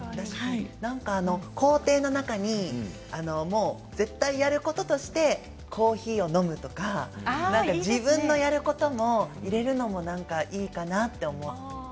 工程の中に絶対にやることとしてコーヒーを飲むとか自分のやることもいれるのもなんかいいかなと思った。